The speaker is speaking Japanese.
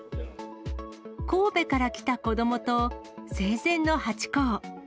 神戸から来た子どもと生前のハチ公。